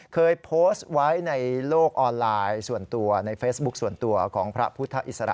เคยโพสต์ไว้ในโลกออนไลน์ส่วนตัวในเฟซบุ๊คส่วนตัวของพระพุทธอิสระ